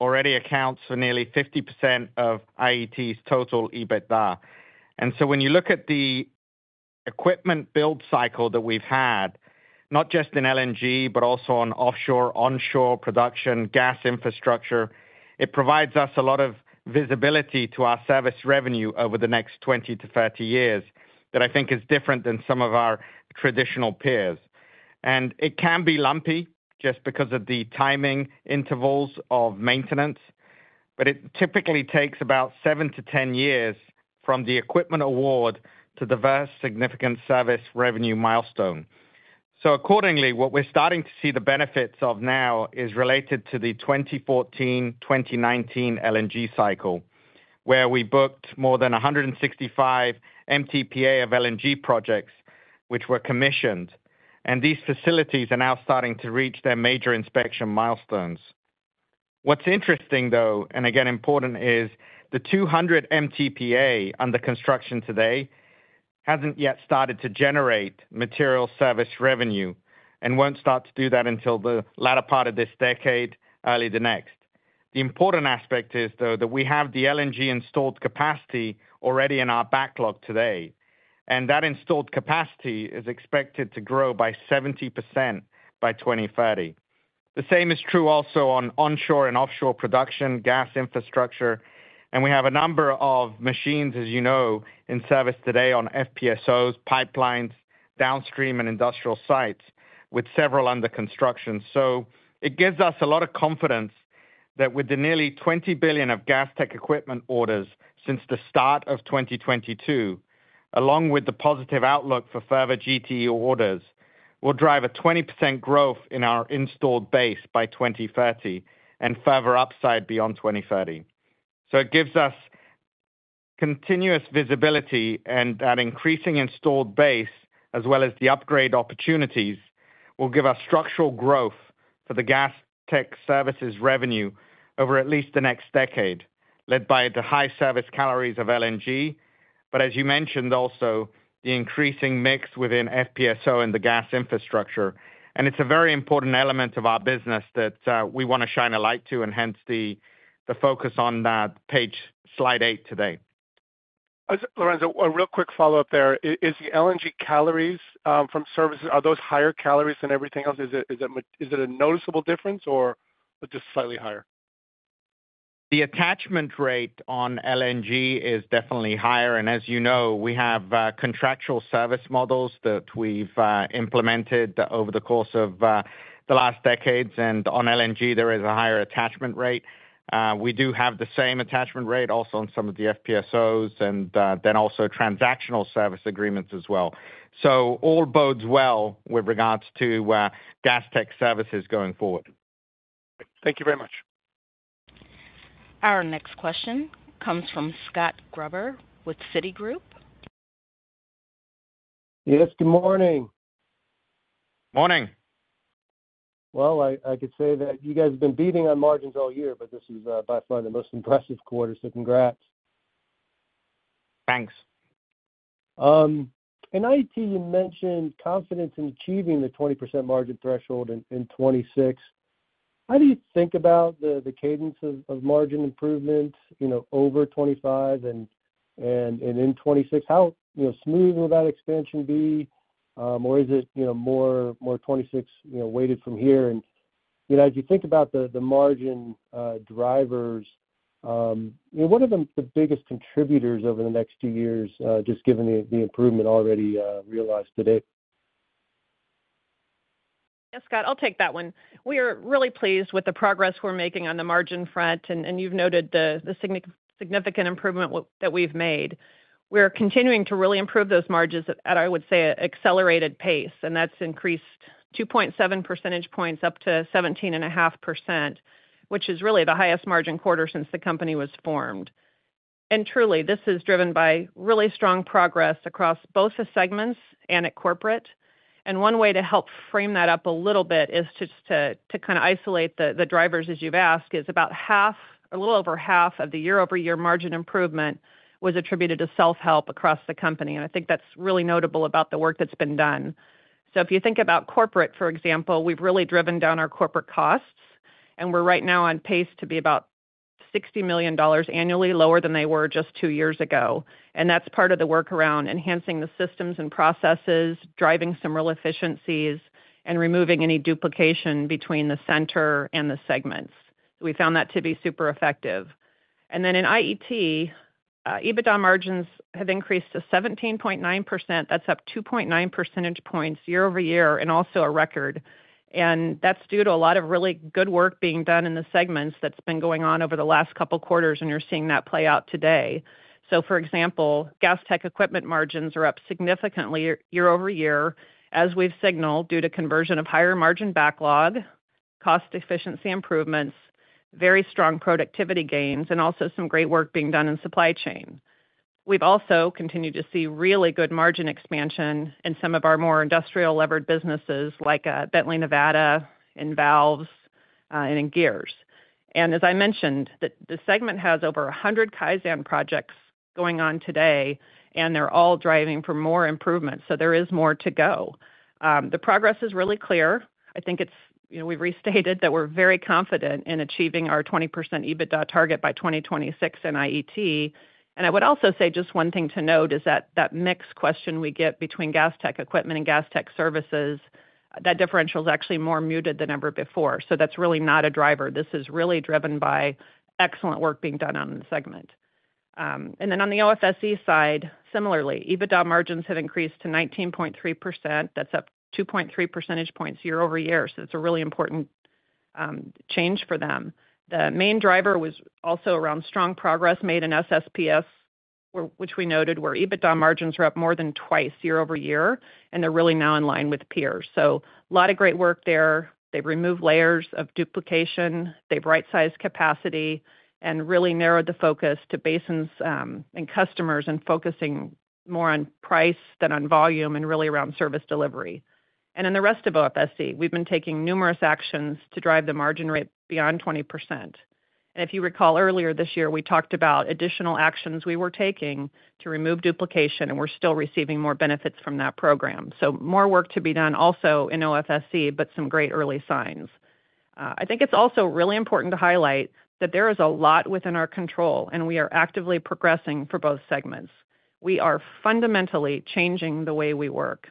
already accounts for nearly 50% of IET's total EBITDA. So when you look at the equipment build cycle that we've had, not just in LNG, but also on offshore, onshore production, gas infrastructure, it provides us a lot of visibility to our service revenue over the next 20-30 years, that I think is different than some of our traditional peers. It can be lumpy just because of the timing intervals of maintenance, but it typically takes about 7-10 years from the equipment award to the first significant service revenue milestone. Accordingly, what we're starting to see the benefits of now is related to the 2014-2019 LNG cycle, where we booked more than 165 MTPA of LNG projects, which were commissioned, and these facilities are now starting to reach their major inspection milestones. What's interesting, though, and again, important, is the 200 MTPA under construction today hasn't yet started to generate material service revenue and won't start to do that until the latter part of this decade, early the next. The important aspect is, though, that we have the LNG installed capacity already in our backlog today, and that installed capacity is expected to grow by 70% by 2030. The same is true also on onshore and offshore production, gas infrastructure, and we have a number of machines, as you know, in service today on FPSOs, pipelines, downstream and industrial sites, with several under construction. So it gives us a lot of confidence that with the nearly $20 billion of Gastech Equipment orders since the start of 2022, along with the positive outlook for further GTE orders, will drive a 20% growth in our installed base by 2030 and further upside beyond 2030. So it gives us continuous visibility and an increasing installed base, as well as the upgrade opportunities, will give us structural growth for the Gastech Services Revenue over at least the next decade, led by the high service margins of LNG, but as you mentioned, also the increasing mix within FPSO and the gas infrastructure. It's a very important element of our business that we wanna shine a light to, and hence the focus on that page, slide eight today. Lorenzo, a real quick follow-up there. Is the LNG calories from services are those higher calories than everything else? Is it a noticeable difference or just slightly higher? The attachment rate on LNG is definitely higher, and as you know, we have contractual service models that we've implemented over the course of the last decades, and on LNG, there is a higher attachment rate. We do have the same attachment rate also on some of the FPSOs and then also transactional service agreements as well. So all bodes well, with regards to Gastech Services going forward. Thank you very much. Our next question comes from Scott Gruber with Citigroup. Yes, good morning. Morning! I could say that you guys have been beating on margins all year, but this is by far the most impressive quarter, so congrats. Thanks. In IET, you mentioned confidence in achieving the 20% margin threshold in 2026. How do you think about the cadence of margin improvement, you know, over 2025 and in 2026? How smooth will that expansion be? Or is it, you know, more 2026 weighted from here? And, you know, as you think about the margin drivers, you know, what are the biggest contributors over the next two years, just given the improvement already realized today? Yes, Scott, I'll take that one. We are really pleased with the progress we're making on the margin front, and you've noted the significant improvement that we've made. We're continuing to really improve those margins at, I would say, an accelerated pace, and that's increased 2.7 percentage points up to 17.5%, which is really the highest margin quarter since the company was formed. And truly, this is driven by really strong progress across both the segments and at corporate. And one way to help frame that up a little bit is just to kind of isolate the drivers, as you've asked, is about half, a little over half of the year-over-year margin improvement was attributed to self-help across the company, and I think that's really notable about the work that's been done. So if you think about corporate, for example, we've really driven down our corporate costs, and we're right now on pace to be about $60 million annually lower than they were just two years ago. And that's part of the workaround, enhancing the systems and processes, driving some real efficiencies, and removing any duplication between the center and the segments. We found that to be super effective. And then in IET, EBITDA margins have increased to 17.9%. That's up 2.9 percentage points year-over-year and also a record. And that's due to a lot of really good work being done in the segments that's been going on over the last couple quarters, and you're seeing that play out today. So for example, Gas Tech Equipment margins are up significantly year-over-year, as we've signaled, due to conversion of higher margin backlog, cost efficiency improvements, very strong productivity gains, and also some great work being done in supply chain. We've also continued to see really good margin expansion in some of our more industrial-levered businesses, like, Bently Nevada, in valves, and in gears. And as I mentioned, the segment has over 100 Kaizen projects going on today, and they're all driving for more improvement, so there is more to go. The progress is really clear. I think it's, you know, we've restated that we're very confident in achieving our 20% EBITDA target by 2026 in IET. And I would also say just one thing to note is that that mix question we get between Gastech equipment and Gastech services, that differential is actually more muted than ever before, so that's really not a driver. This is really driven by excellent work being done on the segment. And then on the OFSE side, similarly, EBITDA margins have increased to 19.3%. That's up 2.3 percentage points year over year, so it's a really important change for them. The main driver was also around strong progress made in SSPS, which we noted, where EBITDA margins are up more than twice year-over-year, and they're really now in line with peers. So a lot of great work there. They've removed layers of duplication, they've right-sized capacity, and really narrowed the focus to basins, and customers, and focusing more on price than on volume and really around service delivery, and in the rest of OFSE, we've been taking numerous actions to drive the margin rate beyond 20%. And if you recall earlier this year, we talked about additional actions we were taking to remove duplication, and we're still receiving more benefits from that program, so more work to be done also in OFSE, but some great early signs. I think it's also really important to highlight that there is a lot within our control, and we are actively progressing for both segments. We are fundamentally changing the way we work.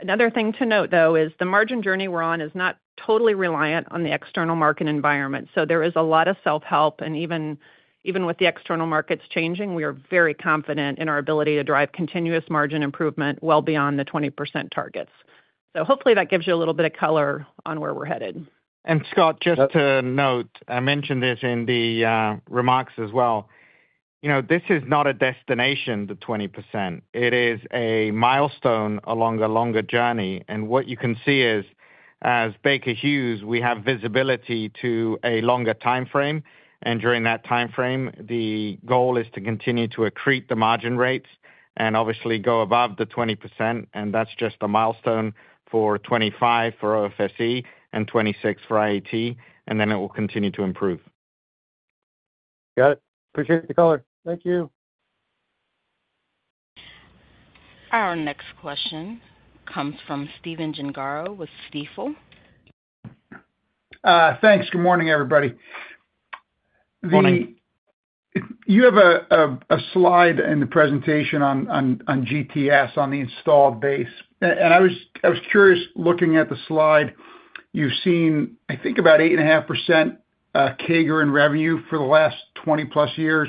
Another thing to note, though, is the margin journey we're on is not totally reliant on the external market environment, so there is a lot of self-help, and even with the external markets changing, we are very confident in our ability to drive continuous margin improvement well beyond the 20% targets. So hopefully that gives you a little bit of color on where we're headed. And Scott, just to note, I mentioned this in the remarks as well. You know, this is not a destination, the 20%. It is a milestone along a longer journey, and what you can see is, as Baker Hughes, we have visibility to a longer time frame, and during that time frame, the goal is to continue to accrete the margin rates and obviously go above the 20%, and that's just a milestone for 2025 for OFSE and 2026 for IET, and then it will continue to improve. Got it. Appreciate the color. Thank you. Our next question comes from Stephen Gengaro with Stifel. Thanks. Good morning, everybody. Morning. You have a slide in the presentation on GTS, on the installed base. And I was curious, looking at the slide. You've seen, I think, about 8.5% CAGR in revenue for the last twenty plus years,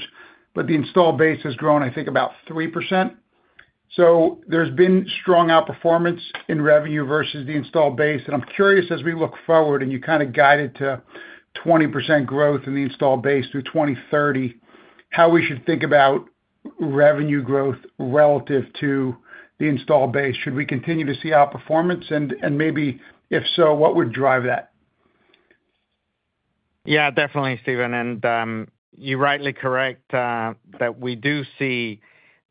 but the installed base has grown, I think, about 3%. So there's been strong outperformance in revenue versus the installed base, and I'm curious, as we look forward, and you kind of guided to 20% growth in the installed base through 2030, how we should think about revenue growth relative to the installed base. Should we continue to see outperformance? And maybe if so, what would drive that? Yeah, definitely, Stephen, and you're rightly correct that we do see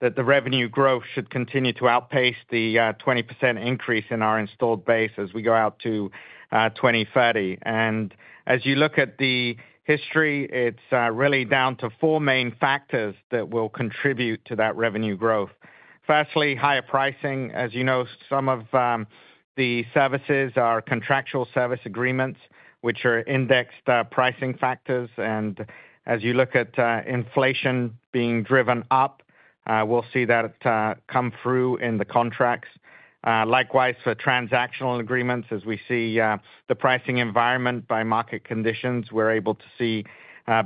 that the revenue growth should continue to outpace the 20% increase in our installed base as we go out to 2030, and as you look at the history, it's really down to four main factors that will contribute to that revenue growth. Firstly, higher pricing. As you know, some of the services are contractual service agreements, which are indexed pricing factors, and as you look at inflation being driven up, we'll see that come through in the contracts. Likewise for transactional agreements, as we see the pricing environment by market conditions, we're able to see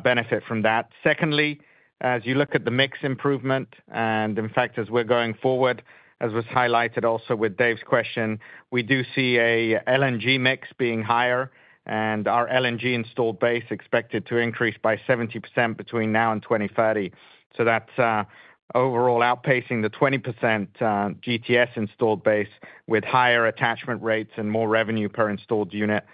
benefit from that. Secondly, as you look at the mix improvement, and in fact, as we're going forward, as was highlighted also with Dave's question, we do see a LNG mix being higher, and our LNG installed base expected to increase by 70% between now and 2030. So that's overall outpacing the 20% GTS installed base with higher attachment rates and more revenue per installed unit.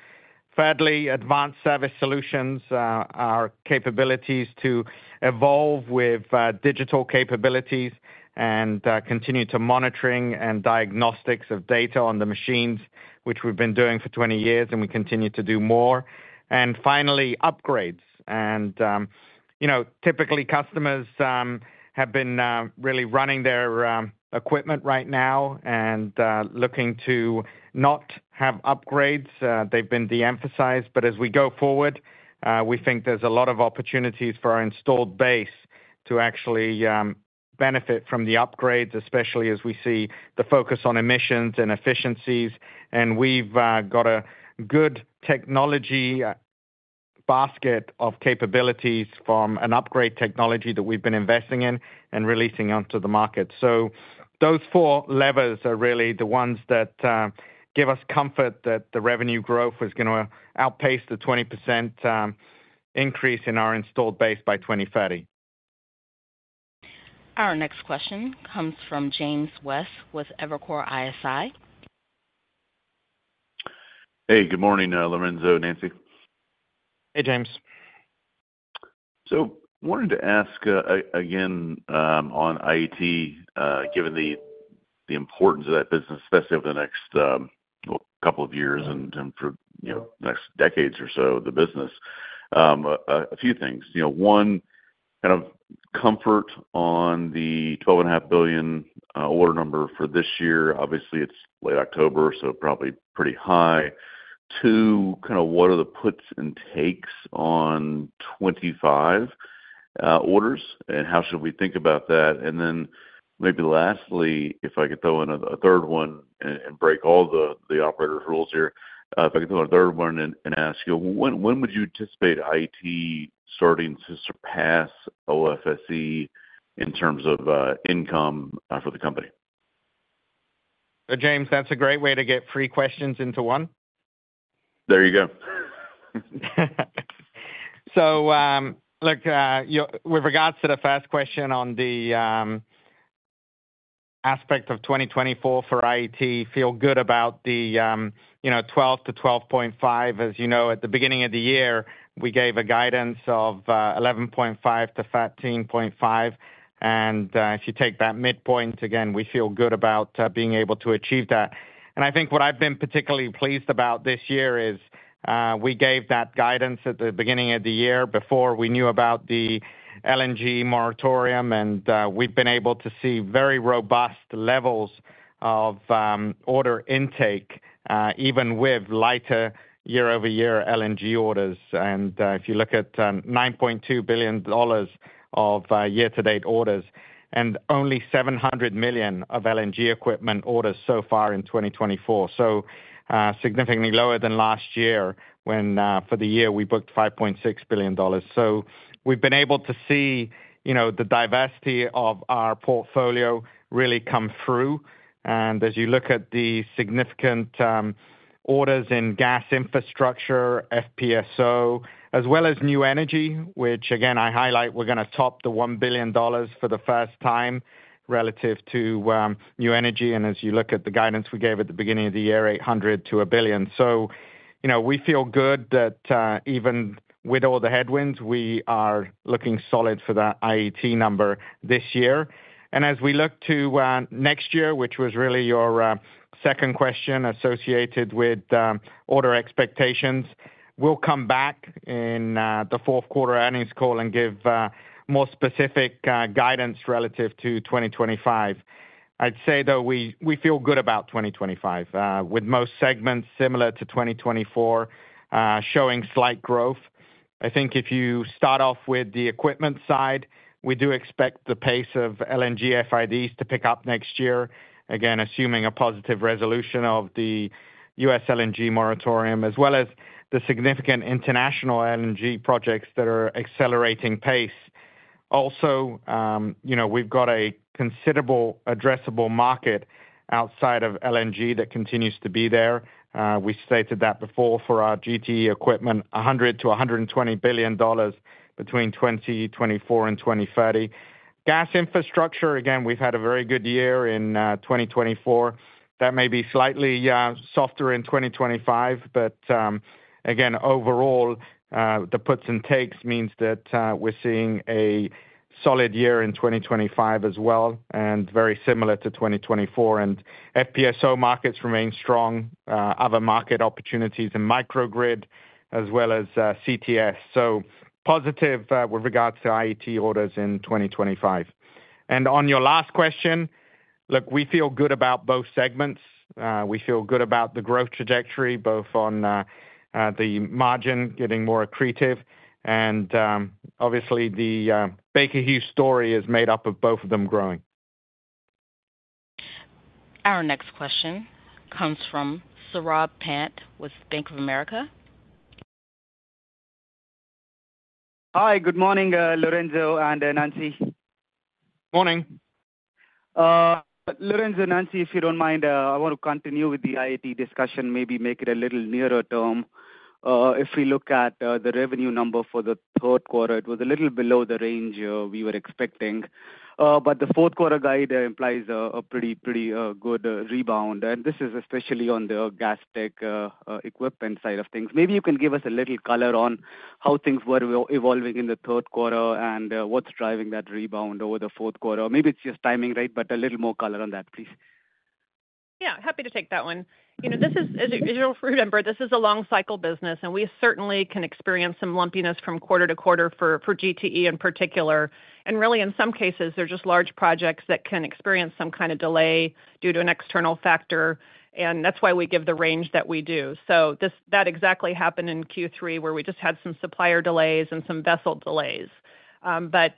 Thirdly, advanced service solutions are capabilities to evolve with digital capabilities and continue to monitoring and diagnostics of data on the machines, which we've been doing for twenty years, and we continue to do more. And finally, upgrades. And you know, typically customers have been really running their equipment right now and looking to not have upgrades. They've been de-emphasized. As we go forward, we think there's a lot of opportunities for our installed base to actually benefit from the upgrades, especially as we see the focus on emissions and efficiencies. We've got a good technology basket of capabilities from an upgrade technology that we've been investing in and releasing onto the market. Those four levers are really the ones that give us comfort that the revenue growth is gonna outpace the 20% increase in our installed base by 2030. Our next question comes from James West with Evercore ISI. Hey, good morning, Lorenzo, Nancy. Hey, James. So wanted to ask again on IET, given the importance of that business, especially over the next, well, couple of years and for, you know, next decades or so, the business. A few things. You know, one, kind of comfort on the $12.5 billion order number for this year. Obviously, it's late October, so probably pretty high. Two, kind of what are the puts and takes on 2025 orders, and how should we think about that? And then maybe lastly, if I could throw in a third one and break all the operator's rules here. If I could throw a third one and ask you, when would you anticipate IET starting to surpass OFSE in terms of income for the company? James, that's a great way to get three questions into one. There you go. Look, you know, with regards to the first question on the aspect of 2024 for IET, feel good about the, you know, 12-12.5. As you know, at the beginning of the year, we gave a guidance of 11.5-13.5, and if you take that midpoint, again, we feel good about being able to achieve that. I think what I've been particularly pleased about this year is we gave that guidance at the beginning of the year before we knew about the LNG moratorium, and we've been able to see very robust levels of order intake even with lighter year-over-year LNG orders. And if you look at $9.2 billion of year-to-date orders and only $700 million of LNG equipment orders so far in 2024. So significantly lower than last year, when for the year we booked $5.6 billion. So we've been able to see, you know, the diversity of our portfolio really come through. And as you look at the significant orders in gas infrastructure, FPSO, as well as new energy, which again I highlight, we're gonna top $1 billion for the first time relative to new energy. And as you look at the guidance we gave at the beginning of the year, $800 million-$1 billion. So you know, we feel good that even with all the headwinds, we are looking solid for that IET number this year. And as we look to next year, which was really your second question associated with order expectations, we'll come back in the fourth quarter earnings call and give more specific guidance relative to 2025. I'd say, though, we feel good about 2025, with most segments similar to 2024, showing slight growth. I think if you start off with the equipment side, we do expect the pace of LNG FIDs to pick up next year. Again, assuming a positive resolution of the U.S. LNG moratorium, as well as the significant international LNG projects that are accelerating pace. Also, you know, we've got a considerable addressable market outside of LNG that continues to be there. We stated that before for our GTE equipment, $100-$120 billion between 2024 and 2030. Gas infrastructure, again, we've had a very good year in 2024. That may be slightly softer in 2025, but, again, overall, the puts and takes means that, we're seeing a solid year in 2025 as well, and very similar to 2024. And FPSO markets remain strong, other market opportunities in microgrid as well as CTS. So positive, with regards to IET orders in 2025. And on your last question, look, we feel good about both segments. We feel good about the growth trajectory, both on the margin getting more accretive, and, obviously the Baker Hughes story is made up of both of them growing. Our next question comes from Saurabh Pant with Bank of America. Hi, good morning, Lorenzo and Nancy. Morning. Lorenzo and Nancy, if you don't mind, I want to continue with the IET discussion, maybe make it a little nearer term. If we look at the revenue number for the third quarter, it was a little below the range we were expecting. But the fourth quarter guide implies a pretty good rebound, and this is especially on the Gastech Equipment side of things. Maybe you can give us a little color on how things were evolving in the third quarter, and what's driving that rebound over the fourth quarter. Maybe it's just timing, right? But a little more color on that, please. Yeah, happy to take that one. You know, this is as you'll remember, this is a long cycle business, and we certainly can experience some lumpiness from quarter to quarter for GTE in particular. And really, in some cases, they're just large projects that can experience some kind of delay due to an external factor, and that's why we give the range that we do. So that exactly happened in Q3, where we just had some supplier delays and some vessel delays. But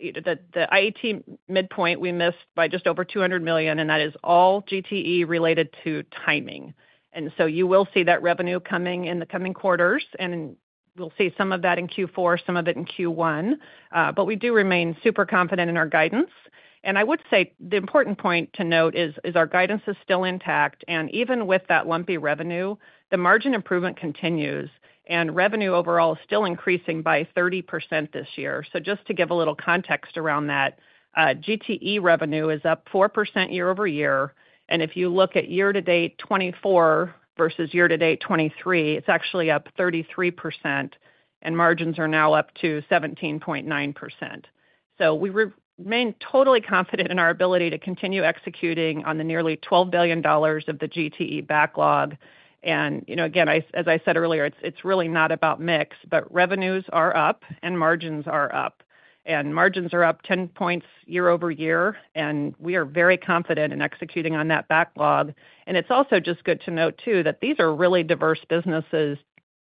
the IET midpoint, we missed by just over $200 million, and that is all GTE related to timing. And so you will see that revenue coming in the coming quarters, and we'll see some of that in Q4, some of it in Q1. But we do remain super confident in our guidance. I would say the important point to note is our guidance is still intact, and even with that lumpy revenue, the margin improvement continues, and revenue overall is still increasing by 30% this year. Just to give a little context around that, GTE revenue is up 4% year-over-year, and if you look at year to date 2024 versus year to date 2023, it's actually up 33%, and margins are now up to 17.9%. We remain totally confident in our ability to continue executing on the nearly $12 billion of the GTE backlog. You know, again, I as I said earlier, it's really not about mix, but revenues are up and margins are up. Margins are up 10 points year-over-year, and we are very confident in executing on that backlog. It's also just good to note, too, that these are really diverse businesses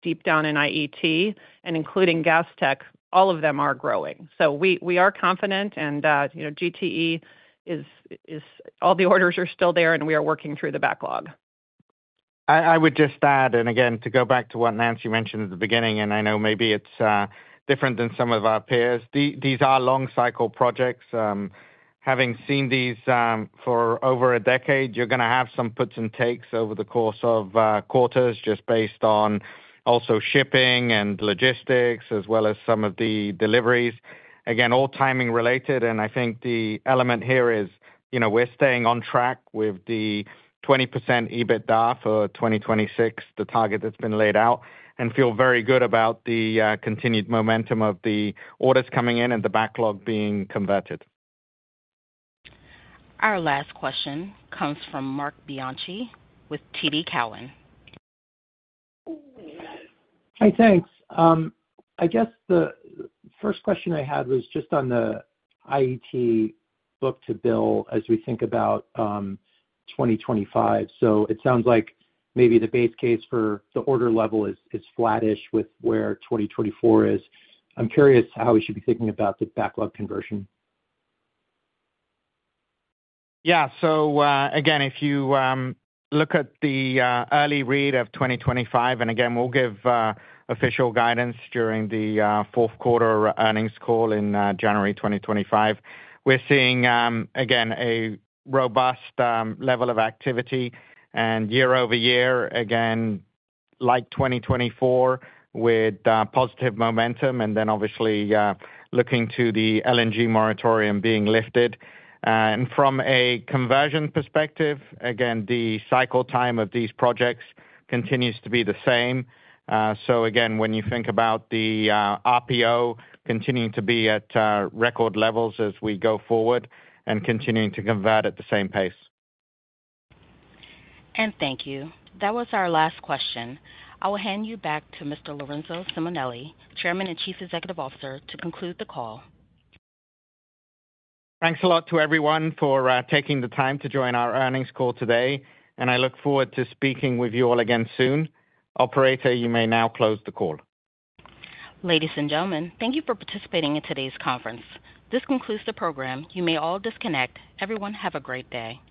deep down in IET and including Gastech, all of them are growing. So we are confident, and you know, GTE is all the orders are still there, and we are working through the backlog. I would just add, and again, to go back to what Nancy mentioned at the beginning, and I know maybe it's different than some of our peers. These are long cycle projects. Having seen these for over a decade, you're gonna have some puts and takes over the course of quarters, just based on also shipping and logistics, as well as some of the deliveries. Again, all timing related, and I think the element here is, you know, we're staying on track with the 20% EBITDA for 2026, the target that's been laid out, and feel very good about the continued momentum of the orders coming in and the backlog being converted. Our last question comes from Marc Bianchi with TD Cowen. Hi, thanks. I guess the first question I had was just on the IET book to bill as we think about 2025. So it sounds like maybe the base case for the order level is flattish with where 2024 is. I'm curious how we should be thinking about the backlog conversion. Yeah. So, again, if you look at the early read of 2025, and again, we'll give official guidance during the fourth quarter earnings call in January 2025. We're seeing, again, a robust level of activity, and year over year, again, like 2024, with positive momentum, and then obviously looking to the LNG moratorium being lifted. And from a conversion perspective, again, the cycle time of these projects continues to be the same. So again, when you think about the RPO continuing to be at record levels as we go forward and continuing to convert at the same pace. Thank you. That was our last question. I will hand you back to Mr. Lorenzo Simonelli, Chairman and Chief Executive Officer, to conclude the call. Thanks a lot to everyone for taking the time to join our earnings call today, and I look forward to speaking with you all again soon. Operator, you may now close the call. Ladies and gentlemen, thank you for participating in today's conference. This concludes the program. You may all disconnect. Everyone, have a great day.